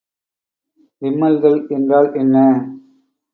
விம்மல்கள் என்றால் என்ன?